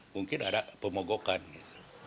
mungkin ada pemogokan ya